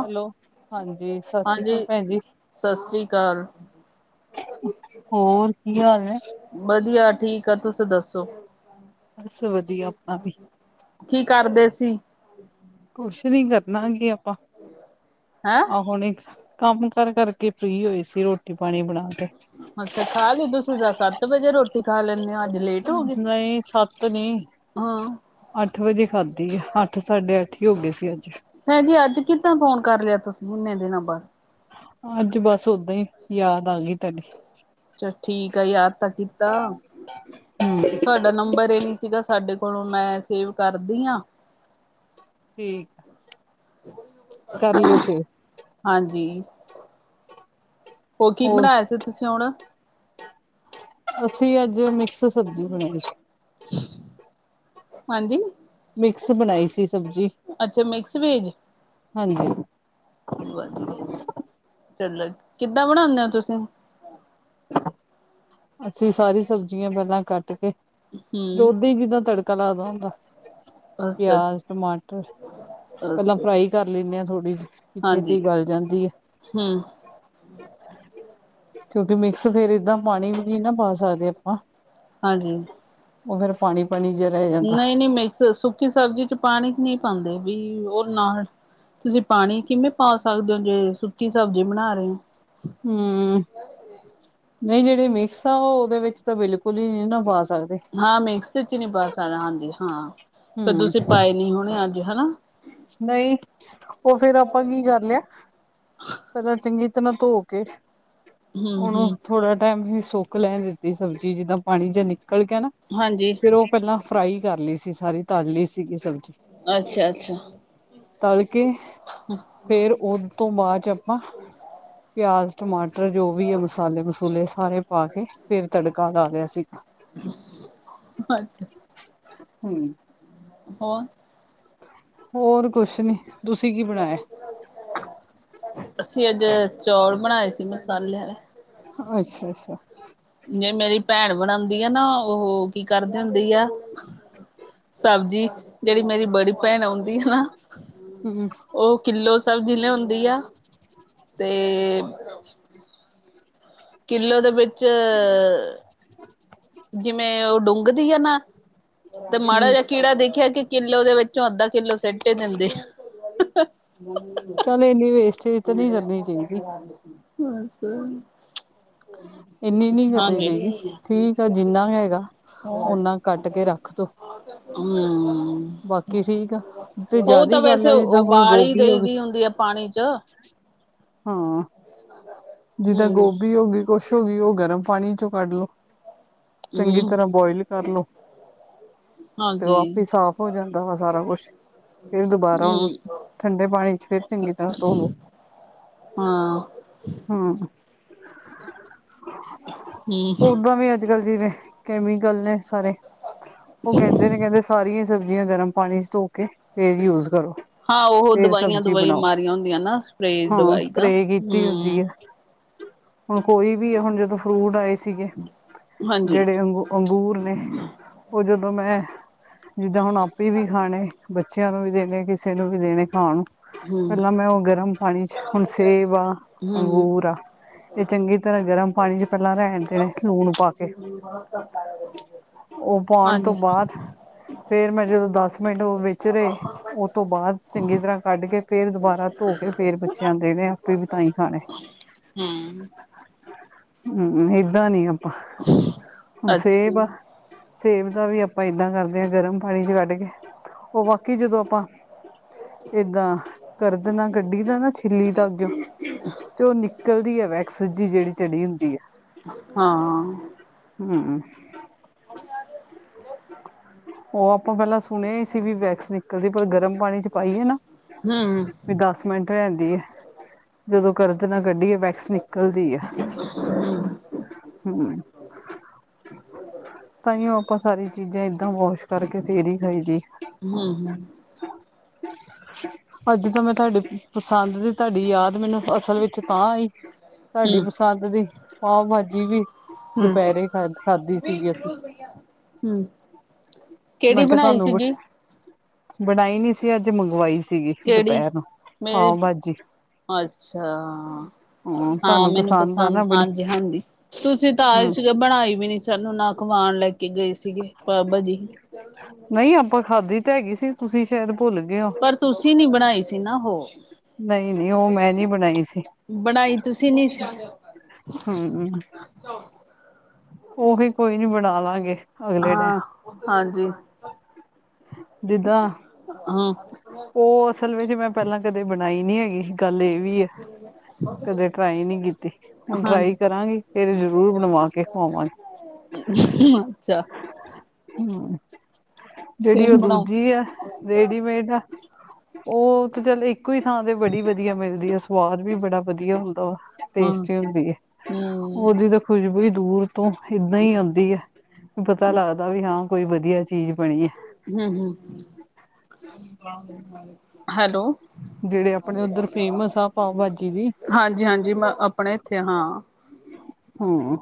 Hello, ਹਾਂਜੀ ਸਾਸ ਸ੍ਰੀ ਕਾਲ ਪੇਨ ਜੀ। ਹੈਲੈ ਹੋਰ ਕੀ ਹਾਲ ਨੇ? ਬਧੀਆਂ ਠੀਕ ਆ ਤੁਸੀਂ ਦੱਸੋ ਬਸ ਵਧੀਆ ਆਪਣਾ ਵੀ ਕੀ ਕਾਰਦੇ ਸੀ? [inaudible] ਕੋਛ ਨੀ ਕਰਨਾ ਕੀ ਆਪਾਂ ਹੈ! ਆ ਹੁਣੇ, ਕੰਮ ਕਰ ਕਰਕੇ ਫਰੀ ਹੋਈ ਸੀ ਰੋਟੀ ਪਾਨੀ ਬਣਾ ਕੇ ਅੱਛਾ ਖਾ ਲੀ ਤੁਸੀਂ ਦਾ ਸੱਤ ਵਜੇ ਰੋਟੀ ਖਾ ਲੈਂਣੇ ਓ ਅੱਜ ਲੇਟ ਹੋ ਗੇ ਨਹੀਂ ਸੱਤ ਨੀ ਹਾਂ। ਅੱਠ ਵਜੇ ਖਾਧੀ ਐ ਅੱਠ-ਸਾਢੇ ਅੱਠ ਈ ਹੋ ਗਏ ਸੀ ਅੱਜ। ਪੈ ਜੀ ਅੱਜ ਕਿੱਦਾਂ ਫੋਨ ਕਰ ਲਿਆ ਤੁਸੀਂ ਏਨੇ ਦਿਨਾਂ ਬਾਦ ਅੱਜ ਬਸ ਓਦਾਂ ਈ ਯਾਦ ਆਗੀ ਤਾਡੀ। ਛਾ ਠੀਕ ਆ ਯਾਦ ਤਾਂ ਕੀਤਾ। ਹਮ ਤਾਡਾ ਨੰਬਰ ਇ ਨੀ ਸੀਗਾ ਸਾਡੇ ਕੋਲੋਂ ਮੈਂ ਸੇਵ ਕਰਦੀ ਆ। ਠੀਕ, ਕਰ ਲਿਓ ਸੇਵ। ਹਾਂਜੀ, ਹੋ ਕੀ ਹੋਰ ਬਣਾਇਆ ਸੀ ਤੁਸੀਂ ਹੁਣ ਅਸੀਂ ਅੱਜ ਮਿਕਸ ਸਬਜ਼ੀ ਬਣਾਈ। ਹਾਂਜੀ! ਮਿਕਸ ਬਣਾਈ ਸੀ ਸਬਜ਼ੀ ਅੱਛਾ ਮਿਕਸ ਵੈਜ ਹਾਂਜੀ ਵਧੀਆ, ਚਲੋ ਕਿੱਦਾਂ ਬਣਾ ਨੇ ਓ ਤੁਸੀਂ? ਅਸੀਂ ਸਾਰੀ ਸਬਜ਼ੀਆਂ ਪੈਲਾਂ ਕੱਟ ਕੇ, ਫੇਰ ਹਮ ਓਦਾਂ ਈ ਜਿੱਦਾਂ ਤੜ ਤਾ ਲੱਗਦਾ ਹੁੰਦਾ, ਅੱਛਾ ਅੱਛਾ ਪਿਆਜ਼, ਟਮਾਟਰ ਪੈਲਾਂ ਅੱਛਾ ਫਰਾਈ ਕਰ ਲੈਂਣੇ ਆ ਥੋੜ੍ਹੀ ਜੀ, ਵੀ ਛੇਤੀ ਗਲ ਜਾਂਦੀ ਏ। ਹੂੰ। ਵੀ ਮਿਕਸ ਫੇਰ ਏਦਾਂ ਪਾਨੀ ਵੀ ਨਈ ਨਾ ਪਾ ਸਕਦੇ ਆਪਾਂ ਹਾਂਜੀ। ਓ ਫੇਰ ਪਾਨੀ ਫਨੀ ਜਰ ਰਏ ਨਈ-ਨਈ ਮਿਕਸ ਸੁੱਕੀ ਸਬਜ਼ੀ ਚ ਪਾਨੀ ਨੀ ਪਾਂਦੇ ਵੀ ਓ ਨਾ ਤੁਸੀਂ ਪਾਨੀ ਕਿਵੇਂ ਪਾ ਸਕਦੇ ਹੋ ਜੇ ਸੁੱਕੀ ਸਬਜ਼ੀ ਬਣਾ ਰਹੇ ਓ। ਹੂੰ, ਨਈ ਜੇੜੇ ਮਿਕਸ ਆ ਓ ਓਦੇ ਵਿੱਚ ਤਾਂ ਬਿਲ ਕੁਲੀ ਨੀ ਨਾ ਪਾ ਸਕਦੇ ਹਾਂ ਮੈਕਸ ਚ ਨੀ ਪਾ ਸ- ਤਾਰਾ ਹਾਂਜੀ ਹਾਂ ਫੇਰ ਹੂੰ ਤੁਸੀਂ ਪਾਏ ਨੀ ਹੋਣੇ ਅੱਜ ਹੈਨਾ ਨਈ ਓ ਫੇਰ ਆਪਾਂ ਕੀ ਕਰ ਲਿਆ ਪਹਿਲਾਂ ਚੰਗੀ ਤਰ੍ਹਾਂ ਧੋ ਕੇ ਹਮ ਓਨੂੰ ਹਮ ਥੋੜ੍ਹਾ ਟਾਈਮ ਸੁੱਕ ਲੈਣ ਦਿੱਤੀ ਸਬਜ਼ੀ ਜਿੱਦਾਂ ਪਾਣੀ ਜਾ ਨਿਕਲ ਗਿਆ ਨਾ ਹਾਂਜੀ ਫੇਰ ਉਹ ਪਹਿਲਾਂ ਫਰਾਈ ਕਰ ਲਈ ਸੀ ਸਾਰੀ ਤਲ ਲਈ ਸੀਗੀ ਸਬਜ਼ੀ। ਐਛਾ ਅੱਛਾ ਤਲ ਕੇ ਫੇਰ ਉਹ ਤੋਂ ਬਾਦ ਚ ਆਪਾਂ ਪਿਆਜ਼ ਟਮਾਟਰ ਜੋ ਵੀ ਆ ਮਸਾਲੇ ਮਸੂਲੇ ਸਾਰੇ ਪਾ ਕੇ ਫੇਰ ਤੜਕਾ ਲਾ ਲਿਆ ਸੀਗਾ। ਅੱਛਾ ਹੂ ਹੋਰ ਹੋਰ ਕੁਛ ਨੀ, ਤੁਸੀਂ ਕੀ ਬਣਾਇਆ? ਅਸੀਂ ਅੱਜ ਚੌਲ ਬਣਾਏ ਸੀ ਮਸਾਲੇੇ ਆਲੇ ਅੱਛਾ- ਅੱਛਾ ਜਿਵੇੰ ਮੇਰੀ ਭੈਣ ਬਣਾਉਂਦੀ ਆ ਨਾ ਉਹ ਕੀ ਕਰਦੇ ਹੁੰਦੀ ਆ, ਸਬਜ਼ੀ ਜਿਹੜੀ ਮੇਰੀ ਬੜੀ ਭੈਣ ਆਉਂਦੀ ਐ ਨਾ ਹੂੰ ਉਹ ਕਿੱਲੋ ਸਬਜ਼ੀ ਲਿਆਉਂਦੀ ਆ ਤੇ [inaudible] ਕਿੱਲੋ ਦੇ ਵਿੱਚ ਜਿਵੇਂ ਉਹ ਡੂੰਘਦੀ ਆ ਨਾ ਤੇ ਮਾੜਾ ਹੂੰ ਜਿਹਾ ਕੀੜਾ ਦੇਖਿਆ ਕਿ ਕਿੱਲੋ ਦੇ ਵਿੱਚ ਵਿਚੋਂ ਅੱਧਾ ਕਿੱਲੋ ਸਿੱਟ ਹੀ ਦਿੰਦੇ ਐ ਚੱਲ ਇੰਨੀ ਵੇਸਟੇਜ ਤੇ ਨਹੀਂ ਕਰਨੀ ਚਾਹੀਦੀ। ਬਸ ਇੰਨੀ ਨਹੀਂ ਕਰਨੀ ਹਾਂਜੀ ਚਾਹੀਦੀ ਠੀਕ ਆ ਜਿੰਨਾ ਹੈਗਾ [inaudible] ਓਨਾ ਕੱਟ ਕੇ ਰੱਖ ਦੋ ਹਮ ਬਾਕੀ ਠੀਕ ਆ ਤੇ ਉਹ ਜ਼ਿਆਦਾ ਤਾਂ ਹੀ ਗੱਲ ਵੈਸੇ ਆ ਜਿੱਦਾਂ ਹੁਣ ਉਬਾਲ ਹੀ ਗੋਭੀ ਹੋ ਦਈ ਗਈ ਦੀ ਹੁੰਦੀ ਆ ਪਾਣੀ ਚ- ਹਾਂ [inaudible] ਜਿੱਦਾਂ ਗੋਭੀ ਹੋ ਗਈ ਕੁਛ ਹੋ ਗਈ, ਉਹ ਗਰਮ ਪਾਣੀ ਚੋਂ ਕੱਢ ਲੋ ਚੰਗੀ ਹਮ ਤਰਹ ਬੋਇਲ ਕਰ ਲੋ ਤੇ ਉਹ ਹਾਂਜੀ ਆਪੇ ਹੀ ਸਾਫ਼ ਹੋ ਜਾਂਦਾ ਵਾ ਸਾਰਾ ਕੁਛ ਫਿਰ ਦੁਬਾਰਾ ਉਹਨੂੰ ਹਮ ਠੰਡੇ ਪਾਣੀ ਚ ਫਿਰ ਚੰਗੀ ਤਰ੍ਹਾਂ ਧੋ ਲੋ ਹਾਂ ਹੂ ਹਮ ਉਦਾ ਵੀ ਅਜ ਅੱਜ ਕੱਲ ਜਿਵੇਂ ਕੈਮੀਕਲ ਨੇ ਸਾਰੇ ਉਹ ਕਹਿੰਦੇ ਨੇ ਕਹਿੰਦੇ ਸਾਰੀਆਂ ਈ ਸਬਜ਼ੀਆਂ ਗਰਮ ਪਾਣੀ ਚ ਧੋ ਕੇ ਫੇਰ ਯੂਜ ਕਰੋ। ਹਾਂ ਉਹ ਫੇਰ ਦਵਾਈਆਂ ਸਬਜ਼ੀ ਦਵਾਈਆਂ ਬਣਾਓ ਮਾਰੀਆਂ ਹੁੰਦੀਆਂ ਨਾ ਸਪਰੇ ਹਾਂ ਦਵਾਈ ਦਾ ਸਪਰੇ ਕੀਤੀ ਹੁੰਦੀ ਹੈ। ਹੂੰ ਹੁਣ ਕੋਈ ਵੀ ਆ ਹੁਣ ਜਦੋਂ ਫਰੂਟ ਆਏ ਸੀਗੇ ਹਾਂਜੀ ਜਿਹੜੇ ਅੰਗੂਰ ਅੰਗੂਰ ਨੇ ਉਹ ਜਦੋਂ ਮੈਂ ਜਿੱਦਾਂ ਹੁਣ ਆਪੇ ਵੀ ਖਾਣੇ ਬੱਚੇ - ਬੱਚਿਆਂ ਨੂੰ ਵੀ ਦੇਣੇ ਕਿਸੇ ਨੂੰ ਵੀ ਦੇਣੇ ਖਾਣ ਨੂੰ, ਹੂੰ ਪਹਿਲਾਂ ਮੈਂ ਉਹ ਗਰਮ ਪਾਣੀ ਚ, ਹੁਣ ਸੇਬ ਆ ਹੂੰ ਅੰਗੂਰ ਆ ਇਹ ਚੰਗੀ ਤਰ੍ਹਾਂ ਗਰਮ ਚ ਪਹਿਲਾਂ ਰਹਿਣ ਦੇਣੇ ਲੂਣ ਪਾ ਕੇ ਉਹ ਪਾਉਣ ਹਾਂਜੀ ਤੋਂ ਬਾਅਦ ਫੇਰ ਮੈਂ ਜਦੋਂ ਦਸ ਮਿੰਟ ਉਹ ਵਿਚ ਰਹੇ ਤੋਂ ਬਾਅਦ ਚੰਗੀ ਤਰ੍ਹਾਂ ਕੱਢ ਕੇ ਫੇਰ ਦੁਬਾਰਾ ਧੋ ਕੇ ਫੇਰ ਬੱਚਿਆਂ ਦੇਣੇ ਫਿਰ ਤਾਂਹੀ ਖਾਣੇ ਹੂ ਹੂ ਏਦਾਂ ਨੀ ਆਪਾਂ ਹੁਣ ਸੇਬ ਅੱਛਾ ਆ ਸੇਬ ਦਾ ਵੀ ਆਪਾਂ ਏਦਾਂ ਕਰਦੇ ਹਾਂ ਗਰਮ ਪਾਣੀ ਚ ਕੱਢ ਕੇ, ਉਹ ਬਾਕੀ ਜਦੋਂ ਆਪਾਂ ਏਦਾਂ ਕਰਦ ਨਾਲ ਕੱਢੀ ਦਾ ਨਾ ਛਿੱਲੀ ਦਾ ਅੱਗੇਓ [inaudible] ਤੇ ਉਹ ਨਿਕਲਦੀ ਹੈ ਵੈਕਸ ਜੀ ਜਿਹੜੀ ਚੜੀ ਹੁੰਦੀ ਐ ਹਾਂ ਹਮ [inaudible] ਉਹ ਆਪਾਂ ਪਹਿਲਾਂ ਸੁਣਿਆ ਸੀ ਵੀ ਵੈਕਸ ਨਿ ਕਲਦੀ ਪਰ ਗਰਮ ਪਾਣੀ ਚ ਪਾਈਏ ਨਾ ਹੂੰ ਹੂੰ ਵੀ ਦਸ ਮਿੰਟ ਰੇਂਹਦੀ ਏ ਜਦੋਂ ਕਰਦ ਨਾ ਕੱਢੀਏ ਵੈਕਸ ਨਿਕਲਦੀ ਐ ਹਮ ਤਾਂਹੀ ਉਹ ਆਪਾਂ ਸਾਰੀ ਚੀਜ਼ਾਂ ਏਦਾਂ ਵਾਸ਼ ਕਰਕੇ ਫੇਰ ਹੀ ਖਾਈਦੀ ਹਮ ਹਮ ਅੱਜ ਤਾਂ ਮੈਂ ਤੁਹਾਡੀ ਪਸੰਦ ਦੀ ਤੁਹਾਡੀ ਯਾਦ ਮੈਨੂੰ ਅਸਲ ਵਿੱਚ ਤਾਂ ਆਈ ਤੁਹਾਂਡੀ ਹੂੰ ਪਸੰਦ ਦੀ ਪਾਓ ਭਾਜੀ ਵੀ ਦੁਪਹਿਰੇ ਖਾ ਖਾਧੀ ਸੀਗੀ ਅਸੀਂ ਹਮ ਕਿਹੜੀ ਮੈਂ ਕਿਹਾ ਬਣਾਈ ਤੁਹਾਨੂੰ ਸੀਗੀ ਬਣਾਈ ਨੀ ਸੀ ਅੱਜ ਮੰਗਵਾਈ ਸੀਗੀ ਕਿਹੜੀ ਦੁਪਹਿਰ ਨੂੰ ਮੇਰੀ ਪਾਓ ਭਾਜੀ ਅੱਛਾ ਹਾਂ ਤੁਹਾਨੂੰ ਮੈਨੂੰ ਆ ਪਸੰਦ ਨਾ ਬੜੀ ਹਾਂਜੀ ਹਾਂਜੀ ਤੁਸੀਂ ਤਾਂ ਆਏ ਹੂੰ ਸੀਗੇ ਬਣਾਈ ਵੀ ਨੀ ਸਾਨੂੰ ਨਾ ਖਵਾਣ ਲੈ ਕੇ ਗਏ ਸੀਗੇ ਪਾਓ ਭਾਜੀ ਨਹੀਂ ਆਪਾਂ ਖਾਧੀ ਤੇ ਹੈਗੀ ਸੀ ਤੁਸੀਂ ਸ਼ਾਇਦ ਭੁੱਲ ਗਏ ਹੋ ਪਰ ਤੁਸੀਂ ਨੀ ਬਣਾਈ ਸੀ ਨਾ ਉਹ ਨਹੀਂ ਨਹੀਂ ਉਹ ਮੈਂ ਨੀ ਬਣਾਈ ਬਣਾਈ ਤੁਸੀਂ ਨੀ ਸੀ ਹਮ ਉਵੀ ਕੋਈ ਨੀ ਬਣਾ ਲਾਂਗੇ ਅਗਲੇ ਹਾਂ ਟਾਈਮ ਹਾਂਜੀ ਜਿੱਦਾਂ ਹਾਂ ਉਹ ਅਸਲ ਵਿੱਚ ਮੈਂ ਪਹਿਲਾਂ ਕਦੇ ਬਣਾਈ ਨੀ ਹੈਗੀ ਗੱਲ ਇਹ ਵੀ ਹੈ [inaudible] ਕਦੇ ਟਰਾਈ ਨੀ ਕੀਤੀ ਹੁਣ ਟਰਾਈ ਹਾਂਜੀ ਕਰਾਂਗੀ ਫਿਰ ਜਰੂਰ ਬਣਵਾ ਕੇ ਖਵਾਵਾਂਗੀ [unintelligible] ਅੱਛਾ ਹਮ ਜਿਹੜੀ ਫੇਰ ਉਹ ਬਣਾਓ ਦੂਜੀ ਐ ਰੇਡੀਮੇਡ ਆ ਉਹ ਤੇ ਚੱਲ ਇੱਕ ਇੱਕੋ ਹੀ ਥਾਂ ਤੇ ਬੜੀ ਵਧੀਆ ਮਿਲਦੀ ਆ ਸਵਾਦ ਵੀ ਬੜਾ ਵਧੀਆ ਹੁੰਦਾ ਹਾਂ ਹਮ ਟੇਸਟੀ ਹੁੰਦੀ ਹੈ ਉਹਦੀ ਹਮ ਤਾਂ ਖੁਸ਼ਬੂ ਹੀ ਦੂਰ ਤੋਂ ਏਦਾਂ ਹੀ ਆਉਂਦੀ ਹੈ ਪਤਾ ਲੱਗਦਾ ਵੀ ਹਾਂ ਕੋਈ ਵਧੀਆ ਚੀਜ਼ ਬਣੀ ਹੈ ਹਮ ਹਮ ਹੈਲੋ ਜਿਹੜੇ ਆਪਣੇ ਉੱਧਰ ਫੇਮਸ ਆ ਪਾਓ ਭਾਜੀ ਦੀ ਹਾਂਜੀ ਹਾਂਜੀ ਮੈਂ ਆਪਣੇ ਇੱਥੇ ਹਾਂ ਹਮ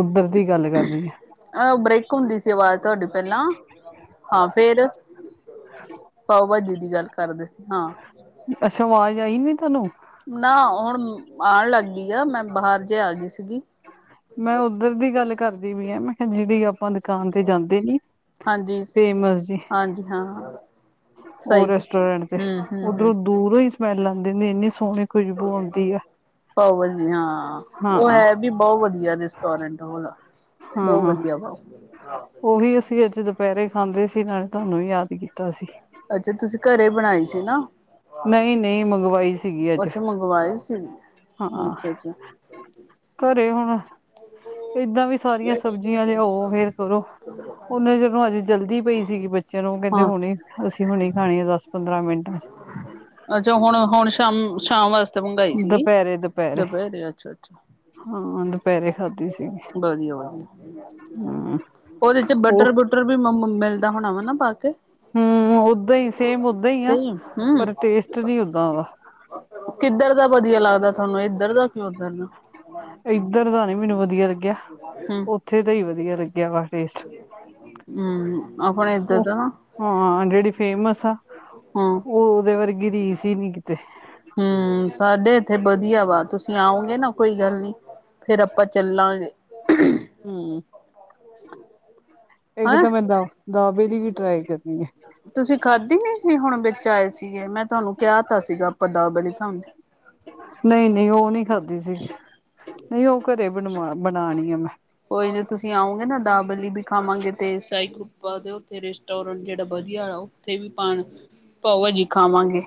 ਉਧਰ ਦੀ ਗੱਲ ਕਰਦੀ ਹੈ ਅਹ ਬ੍ਰੇਕ ਹੁੰਦੀ ਸੀ ਆਵਾਜ਼ ਤੁਹਾਡੀ ਪਹਿਲਾਂ ਹਾਂ ਫੇਰ ਪਾਓ ਭਾਜੀ ਦੀ ਗੱਲ ਕਰਦੇ ਸੀ ਹਾਂ ਅੱਛਾ ਵਾਜ ਆਈ ਨੀ ਤੇਨੂੰ ਨਾ ਹੁਣ ਆਉਣ ਲੱਗ ਗਈ ਆ ਮੈਂ ਬਾਹਰ ਜੇ ਆ ਗਈ ਸੀਗੀ ਮੈਂ ਉੱਧਰ ਦੀ ਗੱਲ ਕਰਦੀ ਪੀ ਆਂ ਮੈਂ ਕਿਹਾ ਜਿਹੜੀ ਆਪਾਂ ਦੁਕਾਨ ਤੇ ਜਾਂਦੇ ਨੀ ਹਾਂਜੀ ਫੇਮਸ ਜੀ ਹਾਂਜੀ ਹਾਂ ਉਹ ਸਹੀ ਰੈਸਟੋਰੈਂਟ ਤੇ ਹਮ ਹਮ ਉੱਧਰੋਂ ਹਮ ਦੂਰੋਂ ਹੀ ਸਮੈਲ ਆਉਂਦੇਦੀ ਇੰਨੀ ਸੋਹਣੀ ਖੁਸ਼ਬੂ ਆਉਂਦੀ ਆ ਪਾਓ ਭਾਜੀ ਹਾਂ, ਹਾਂ ਉਹ ਹੈ ਵੀ ਬਹੋਤ ਵਧੀਆ ਰੈਸਟੋਰੈਂਟ ਓ ਦਾ। ਹਾਂ- ਹਾਂ। ਉਹੀ ਅਸੀਂ ਅੱਜ ਦੁਪਹਿਰੇ ਖਾਂਦੇ ਸੀ ਨਾਲੇ ਤੁਹਾਨੂੰ ਯਾਦ ਕੀਤਾ ਸੀ। ਅੱਛਾ ਤੁਸੀਂ ਘਰੇ ਬਣਾਈ ਸੀ ਨਾ। ਨਹੀਂ- ਨਹੀਂ ਮੰਗਵਾਈ ਸੀਗੀ ਅੱਜ, ਅੱਛਾ ਮੰਗਵਾਏ ਸੀ ਹਾਂ। ਅੱਛਾ ਅੱਛਾ ਘਰੇ ਹੁਣ ਏਦਾਂ ਵੀ ਸਾਰੀਆਂ ਸਬਜ਼ੀਆਂ ਲਿਆਓ ਫੇਰ ਕਰੋ। ਉਹਨੇ ਜਦੋਂ ਅੱਜ ਜਲਦੀ ਪਈ ਸੀਗੀ ਬੱਚਿਆਂ ਨੂੰ ਕਹਿੰਦੇ ਹਾਂ ਹੁਣੇ ਅਸੀਂ ਹੁਣ ਈ ਖਾਣੀ ਏ ਦਸ ਪੰਦਰਾਂ ਮਿੰਟ। ਅੱਛਾ ਹੁਣ- ਹੁਣ ਸ਼ਾਮ- ਸ਼ਾਮ ਵਾਸਤੇ? ਤਾਂ ਮੰਗਾਈ ਸੀਗੀ, ਦੁਪਹਿਰੇ ਦੁਪਹਿਰੇ ਅੱਛਾ-ਅੱਛਾ। ਹਾਂ ਦੁਪਹਿਰੇ ਖਾਧੀ ਸੀਗੀ ਵਧੀਆ ਵਾ। ਹਮ ਉਹਦੇ ਚ ਉਹ ਬਟਰ- ਬੁਟਰ ਵੀ ਮਿਲਦਾ ਹੋਣਾ ਵਾ ਨਾ ਪਾ ਕੇ। ਹੂੰ ਓਦਾਂ ਹੀ ਸੇਮ ਓਦਾਂ ਹੀ ਆ ਸਹੀ ਹਮ ਪਰ ਟੇਸਟ ਨੀ ਓਦਾਂ ਹੈਗਾ। ਕਿੱਧਰ ਦਾ ਵਧੀਆ ਲੱਗਦਾ ਤੁਹਾਨੂੰ ਇੱਧਰ ਦਾ? ਉੱਧਰ ਦਾ ਇੱਧਰ ਦਾ ਨੀ ਮੈਨੂੰ ਵਧੀਆ ਲੱਗਿਆ, ਹਮ ਉੱਥੇ ਤਾਂ ਹੀ ਵਧੀਆ ਲੱਗਿਆ ਮੈਨ ਟੇਸਟ। ਹੂੰ, ਆਪਣੇ ਇੱਧਰ ਉਹ ਦਾ ਨਾ। ਹਾਂ ਜਿਹੜੀ ਫੇਮਸ ਆ, ਹਾਂ ਉਹ ਉਹਦੇ ਵਰਗੀ ਰੀਸ ਹੀ ਨੀ ਕਿਤੇ। ਹੂੰ ਸਾਡੇ ਇੱਥੇ ਵਧੀਆ ਵਾ ਤੁਸੀਂ ਆਓਗੇ ਨਾ ਕੋਈ ਗੱਲ ਨੀ- ਫੇਰ ਆਪਾਂ ਚੱਲਾਂਗੇ। ਹੂੰ, ਇੱਕ ਹੈਂ। ਤਾਂ ਮੈਂ ਦਾਂ- ਦਾਬਲ ਦੀ ਵੀ ਟ੍ਰਾਈ ਕਰਨੀ ਐ। ਤੁਸੀਂ ਖਾਧੀ ਨੀ ਸੀ ਹੁਣ ਵਿੱਚ ਆਏ ਸੀਗੇ ਮੈਂ ਤੁਹਾਨੂੰ ਕਿਹਾ ਤਾਂ ਸੀਗਾ ਆਪਾਂ ਦਾਬਲੀ ਖਾਂ- ਨਹੀਂ - ਨਹੀਂ ਉਹ ਨਹੀਂ ਖਾਦੀ ਸੀਗੀ। ਨਹੀਂ ਉਹ ਕੋ ਦੇ ਦੇਣੀ ਮੈਂ ਬਣਾਨੀ ਆ ਮੈਂ। ਕੋਈ ਜੇ ਤੁਸੀਂ ਆਓਗੇ ਨਾ ਦਾਬਲੀ ਵੀ ਖਾਵਾਂਗੇ ਤੇ ਟਾਈ ਕੁਪਾ ਦੇ ਉੱਥੇ ਰੈਸਟੋਰੈਂਟ ਜਿਹੜਾ ਵਧੀਆ ਵਾ ਉੱਥੇ ਵੀ ਪਾਣੀ। ਚਲੋ ਜੀ ਖਾਵਾਂਗੇ।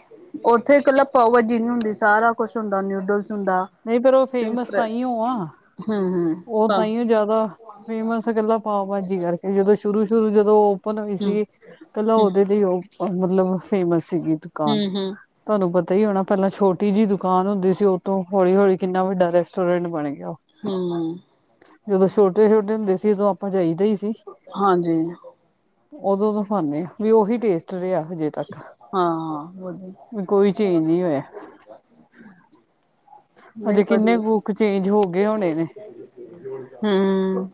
ਉੱਥੇ ਇਕੱਲਾ ਪਾਓਭਾਜੀ ਨੀ ਹੁੰਦੀ, ਸਾਰਾ ਕੁਛ ਹੁੰਦਾ ਨਿੂਡਲਸ ਹੁੰਦਾ- ਨਹੀਂ ਫੇਰ, ਉਹ ਫਰੈਂਚ ਫੇਮਸ ਤਾਂ ਫਰਾਈਜ਼ ਈ ਓਂ ਆ, ਹੂੰ-ਹੂੰ, ਉਹ ਤਾਂ ਹੂੰ-ਹੂੰ, ਈ ਓ- ਜਿਆਦਾ ਫੇਮਸ ਕੱਲਾ ਪਾਓ ਭਾਜੀ ਕਰਕੇ ਜਦੋਂ ਸ਼ੁਰੂ - ਸ਼ੁਰੂ ਜਦੋਂ ਓਪਨ ਓ ਈ - ਹੂੰ-ਹੂੰ, ਸੀ, ਕੱਲਾ ਹੂੰ। ਉਹਦੇ ਦੀ ਉਹ ਮਤਲਬ ਫੇਮਸ ਸੀਗੀ ਦੁਕਾਨ। ਹੂੰ ਹੂੰ ਤੁਹਾਨੂੰ ਪਤਾ ਹੀ ਹੋਣਾ ਪਹਿਲਾਂ ਛੋਟੀ ਜਿਹੀ ਦੁਕਾਨ ਹੁੰਦੀ ਸੀ ਉਹ ਤੋਂ - ਹੌਲੀ- ਹੌਲੀ, ਕਿੰਨਾ ਵੱਡਾ ਰੈਸਟੋਰੈਂਟ ਬਣ ਗਿਆ। ਹੂੰ। ਜਦੋਂ ਛੋਟੇ- ਛੋਟੇ ਹੁੰਦੇ ਸੀ ਉਦੋਂ ਆਪਾਂ ਜਾਈਦਾ ਹੀ ਸੀ। ਹਾਂਜੀ। ਉਦੋਂ ਦਾ ਖਾਨੇ ਆ। ਵੀ ਉਹੀ ਟੇਸਟ ਰਿਹਾ ਹਜੇ ਤੱਕ, ਹਾਂ ਵਧੀਆ ਵੀ ਕੋਈ ਚੇਂਜ ਨਹੀਂ ਹੋਇਆ। [inaudible] ਅਜੇ ਨਹੀਂ ਕਿੰਨੇ ਵਧੀਆ ਕੁੱਕ ਚੇਂਜ ਹੋ ਗਏ ਹੋਣੇ ਨੇ? ਹੂੰ,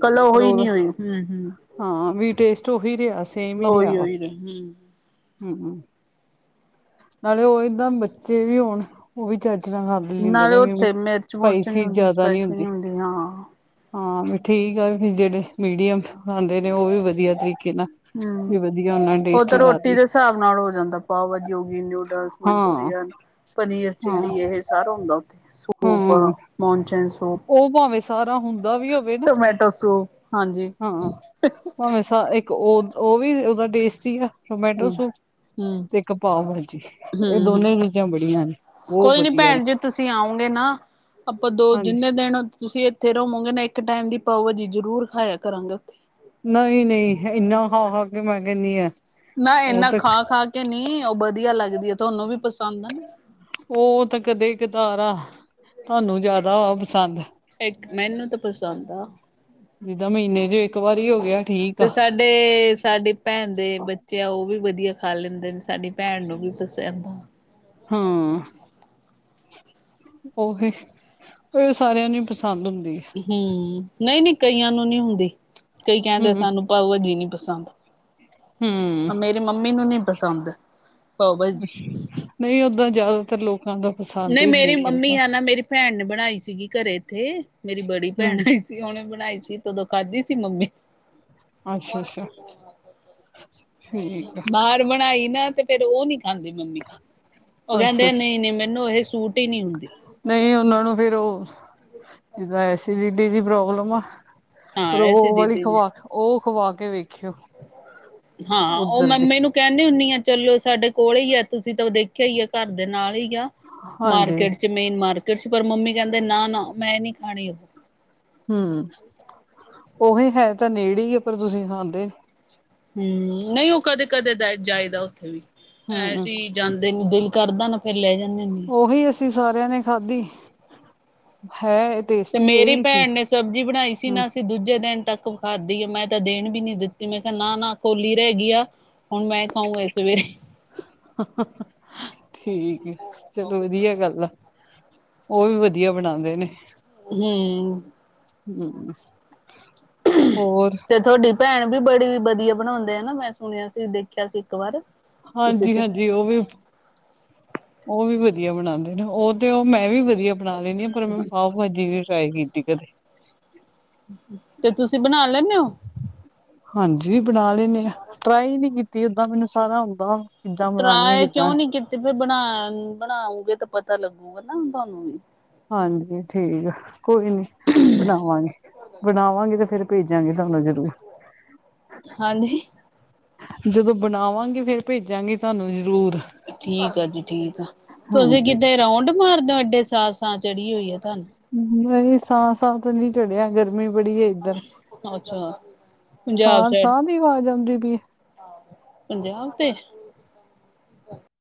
ਕਲ ਪਰ ਉਹੀ ਉਹਦਾ ਨੀ ਹੋਏ ਹੂੰ -ਹੂੰ। ਹਾਂ ਵੀ ਟੇਸਟ ਉਹੀ ਰਿਹਾ ਸੇਮ ਹੀ ਰਿਹਾ ਉਹੀ ਵਾ, ਉਹੀ ਹੂੰ ਹੂੰ। ਨਾਲੇ ਉਹ ਏਦਾਂ ਬੱਚੇ ਵੀ ਹੋਣ, ਉਹ ਵੀ ਚਲ। ਤਾਂ [unintelligible] ਖਾਦ ਲੈਂਦੇ ਨਾਲੇ ਨੇ ਵੀ ਉੱਥੇ ਮਿਰਚ ਮੁਰਚ ਨੀ ਸਪਾਈਸੀ ਹੁੰਦੀ ਜਿਆਦਾ ਨੀ ਸਪਾਈਸੀ ਹੁੰਦੀ। ਹਾਂ ਹਾਂ ਵੀ ਠੀਕ ਆ ਵੀ ਜਿਹੜੇ ਮੀਡੀਅਮ ਖਾਂਦੇ ਨੇ ਉਹ ਵੀ ਵਦੀਆ ਤਰੀਕੇ ਨਾਲ- ਹੰ, ਵੀ ਵਧੀਆ ਉਹਨਾਂ ਨੂੰ ਉਹ ਟੇਸਟੀ ਤਾਂ ਰੋਟੀ ਲੱਗਦੀ ਦੇ ਹਿਸਾਬ ਨਾਲ ਹੋ ਜਾਂਦਾ- ਪਾਓ ਭਾਜੀ ਹੋਗੀ ਨੂਡਲਸ, ਹਾਂ, ਮਨਚੂਰੀਅਨ- ਪਨੀਰ ਹਾਂ, -ਚਿੱਲੀ ਇਹ ਸਾਰਾ ਹੁੰਦਾ ਉਥੇ ਹਾਂ ਸੂਪ, ਮੌਣਚਨ ਸੂਪ- ਉਹ ਭਾਵੇਂ ਸਾਰਾ ਹੁੰਦਾ ਵੀ ਹੋਵੇ ਨਾ - ਟੋਮੈਟੋ ਸੂ ਹਾਂ, ਭਾਵੇਂ ਇੱਕ ਉਹ ਉਹ ਵੀ ਉਹਦਾ ਟੇਸਟ ਹੀ ਆ ਟੋਮੈਟੋ ਹੂੰ ਸੂਪ- ਹੂੰ ਤੇ ਇੱਕ ਪਾਓ ਭਾਜੀ ਇਹ ਹੂੰ ਦੋਨੇ ਚੀਜ਼ਾਂ ਬੜੀਆਂ ਨੇ ਬਹੁਤ ਕੋਈ ਨੀ ਵਦੀਆ ਭੈਣ ਜੀ ਨੇ- ਤੁਸੀਂ ਆਓਗੇ ਨਾ, ਆਪਾਂ ਦੋ ਹਾਂਜੀ ਜਿੰਨੇ ਦਿਨ ਤੁਸੀਂ ਏ ਫਿਰ ਉਹ ਮੂੰਗੇ ਨੇ ਇੱਕ ਟਾਈਮ ਦੀ ਪਾਓ ਭਾਜੀ ਜ਼ਰੂਰ ਖਾਇਆ ਕਰਾਂਗੇ ਉੱਥੇ- ਨਹੀਂ-ਨਹੀਂ ਇੰਨਾ ਹਾ-ਹਾ ਕੇ ਮੈਂ ਕਹਿਣੀ ਆਂ ਨਾ ਏਨਾ ਖਾ-ਖਾ ਕੇ ਨੀ, ਉਹ ਵਦੀਆ ਲੱਗਦੀ ਐ ਤੁਹਾਨੂੰ ਵੀ ਪਸੰਦ ਆ- ਨਾ ਉਹ ਤਾਂ ਕਦੇ ਕਦਾਰ ਆ, ਤੁਹਾਨੂੰ ਜ਼ਿਆਦਾ ਆ ਪਸੰਦ ਇੱਕ ਮੈਨੂੰ ਤਾਂ ਪਸੰਦ ਆ ਜਿੱਦਾਂ ਮਹੀਨੇ ਚ ਇੱਕ ਵਾਰੀ ਹੋ ਗਿਆ ਠੀਕ ਆ ਤੇ ਸੈਟ ਡੇ, ਸਾਡੀ ਪੈਣ ਦੇ ਬੱਚੇ ਆ ਉਹ ਵੀ ਵਦੀਆ ਖਾ ਲੈਂਦੇ ਨੇ ਸਾਡੀ ਪੈਣ ਨੂੰ ਵੀ ਪਸੰਦ ਆ ਹਾਂ ਉਹੀ, ਉਹ ਸਾਰਿਆਂ ਨੂੰ ਈ ਪਸੰਦ ਹੁੰਦੀ ਏ ਹੰ ਨਹੀਂ-ਨਹੀਂ ਕਈਆਂ ਨੂੰ ਨਹੀਂ ਹੁੰਦੀ ਕਈ ਕਹਿੰਦੇ ਹੂੰ ਸਾਨੂੰ ਪਾਓ ਭਾਜੀ ਨੀ ਪਸੰਦ। ਹੂੰ ਆ ਮੇਰੀ ਮੰਮੀ ਨੂੰ ਨਹੀਂ ਪਸੰਦ ਪਾਓ ਭਾਜੀ ਨਹੀਂ ਓਦਾਂ ਜ਼ਿਆਦਾਤਰ ਲੋਕਾਂ ਦਾ ਪਸੰਦ ਹੀ ਹੁੰਦੀ ਨਹੀਂ ਮੇਰੇ ਮੰਮੀ ਤਾਂ ਹੈ ਨਾ ਮੇਰੀ ਪੈਣ ਨੇ ਬਣਾਈ ਸੀਗੀ ਘਰੇ ਇੱਥੇ ਮੇਰੀ ਬੜੀ ਪੈਣ ਹੂੰ ਸੀ। ਤੇ ਉਹਨੇ ਬਨਾਈ ਸੀ ਤਦੋਂ ਖਾਧੀ ਸੀ ਮੰਮੀ ਅੱਛਾ ਅੱਛਾ ਠੀਕ ਆ ਦਾਲ ਬਣਾਈ ਨਾ ਤੇ ਫੇਰ ਉਹ ਨੀ ਖਾੰਦੀ ਮੰਮੀ ਉਹ ਅੱਛਾ ਕਹਿੰਦੇ ਅੱਛਾ ਨਹੀਂ-ਨਹੀਂ ਮੈਨੂੰ ਇਹ ਸੂਟ ਹੀ ਨਹੀਂ ਹੁੰਦੀ। ਨਹੀਂ ਉਹਨਾਂ ਨੂੰ ਫਿਰ ਉਹ ਜਿੰਦਾ ਐਸੀਡਿਟੀ ਦੀ ਪ੍ਰੋਬਲਮ ਆ। ਹਾਂ ਪਰ ਐਸੇ ਓਹ ਵਾਲੀ ਦੀਦੀ ਨੇ ਖਵਾ, ਓਹ ਖਵਾ ਕੇ ਵੇਖਿਓ। ਹਾਂ ਉਹ ਉੱਧਰ ਦੀ ਮੰਮੀੇ ਨੂੰ ਕਹਿੰਨੀ ਹੁੰਨੀ ਆ ਚਲੋ ਸਾਡੇ ਕੋਲ ਈ ਆ ਤੁਸੀਂ ਤਾਂ ਦੇਖਿਆ ਈ ਆ ਘਰ ਦੇ ਨਾਲ ਈ ਆ। ਹਾਂਜੀ ਮਾਰਕੀਟ ਚ ਮੇਨ ਮਾਰਕੀਟ 'ਚ ਪਰ ਮੰਮੀ ਕਹਿੰਦੇ ਨਾ ਨਾ ਮੈਂ ਨੀ ਖਾਨੀ ਉਹ ਹਮ ਉਹੀ ਹੈ ਤਾਂ ਨੇੜੇ ਹੀ ਪਰ ਤੁਸੀਂ ਖਾਂਦੇ ਹਮ ਨਹੀਂ ਉਹ ਕਦੇ-ਕਦੇ ਜਾਈਦਾ ਉੱਥੇ ਵੀ ਹੂੰ ਅਸੀਂ ਜਾਂਦੇ ਨੀ ਦਿਲ ਕਰਦਾ ਨਾ ਫੇਰ ਲੈ ਜਾਂਨੇ ੳਹੀ ਅਸੀਂ ਸਾਰਿਆਂ ਨੇ ਖਾਧੀ ਹੈ। ਤੇ ਟੇਸਟੀ ਇਹ ਮੇਰੀ ਵੀ ਸੀ ਪੈਣ ਨੇ ਸਬਜ਼ੀ ਬਣਾਈ ਸੀ ਹੂੰ ਨਾ ਅਸੀਂ ਦੂਜੇ ਦਿਨ ਤੱਕ ਖਾਦੀ ਆ ਮੈਂ ਤਾਂ ਦੇਨ ਵੀ ਨੀ ਦਿੱਤੀ ਮੈਂ ਕਿਹਾ ਨਾ-ਨਾ ਕੋੋਲੀ ਰਹਿ ਗਈ ਆ ਹੁਣ ਮੈਂ ਖਾਊ ਇਹ ਸਵੇਰੇ ਠੀਕ ਆ ਚਲੋ ਵਧੀਆ ਗੱਲ ਆ। ਉਹ ਵੀ ਵਦੀਆ ਬਣਾਂਦੇ ਨੇ। ਹੰਮ ਹਮ ਹੋਰ ਤੇ ਤੁਹਾਡੀ ਪੈਣ ਵੀ ਬੜੀ ਵਦੀਆ ਬਣਾਉਂਦੇ ਨਾ ਮੈਂ ਸੁਣਿਆ ਸੀ ਦੇਖਿਆ ਸੀ ਇੱਕ ਵਾਰ। ਤੁਸੀਂ ਹਾਂਜੀ ਤੇ ਹਾਂਜੀ, ਉਹ ਵੀ ਉਹ ਵੀ ਵਦੀਆ ਬਣਾਂਦੇ ਨੇ ਉਹ ਤੇ ਉਹ ਮੈਂ ਵੀ ਵਦੀਆ ਬਣਾ ਲੈਂਨੀ ਆ ਪਰ ਮੈਂ ਪਾਓ ਵਾਜੀ ਨੀ ਟਰਾਈ ਕੀਤੀ ਕਦੇ। ਤੇ ਤੁਸੀਂ ਬਣਾ ਲੈਨੇ ਓ। ਹਾਂਜੀ ਵੀ ਬਣਾ ਲੈਂਨੇ ਆ ਟਰਾਈ ਨੀ ਕੀਤੀ ਓਦਾਂ ਮੈਨੂੰ ਸਾਰਾ ਆਉਂਦਾ। ਕਿੱਦਾਂ ਬਣਾਉਣੀ ਹੈ ਟਰਾਏ ਕਿੱਦਾਂ ਕਿਉਂ ਨੀ ਕੀਤੀ ਫਿਰ ਬਣਾ ਬਣਾਉਗੇ ਤਾਂ ਪਤਾ ਲੱਗੂਗਾ ਨਾ ਤੁਹਾਨੂੰ ਵੀ ਹਾਂਜੀ ਠੀਕ ਐ, ਕੋਈ ਨੀ, ਬਣਾਵਾਂਗੇ, ਬਣਾਵਾਂਗੇ ਤੇ ਫੇਰ ਭੇਜਾਂਗੇ ਤੁਹਾਨੂੰ ਜ਼ਰੂਰ। ਹਾਂਜੀ ਜਦੋਂ ਬਣਾਵਾਂਗੇ ਫੇਰ ਭੇਜਾਂਗੇ ਤਹਾਨੂੰ ਜ਼ਰੂਰ। ਠੀਕ ਆ ਜੀ ਠੀਕ ਆ, ਤੁਸੀਂ ਹਾਂਜੀ ਕਿਤੇ ਰਾਊਂਡ ਮਾਰਦੇ ਹੋ ਏਡੇ ਸਾਸਾਂ ਚੜੀ ਹੋਈ ਆ ਤੁਹਾਨੂੰ। ਨਹੀਂ ਸਾਹ-ਸਾਂਹ ਤਾਂ ਨੀ ਚੜਿਆ ਗਰਮੀ ਬੜੀ ਉੱਧਰ, ਅੱਛਾ ਪੰਜਾਬ ਸਾਈਡ ਸਾਂਹ-ਸਾਂਹ ਦੀ ਆਵਾਜ਼ ਆਉਂਦੀ ਪਈ ਆ। ਪੰਜਾਬ ਤੇ,